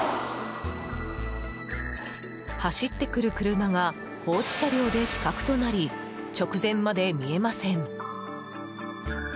走ってくる車が放置車両で死角となり直前まで見えません。